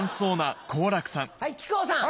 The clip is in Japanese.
はい木久扇さん。